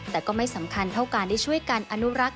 แต่ก็ไม่สำคัญเท่าการได้ช่วยกันอนุรักษ